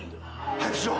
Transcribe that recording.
早くしろ！